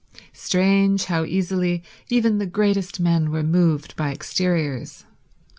Strange how easily even the greatest men were moved by exteriors.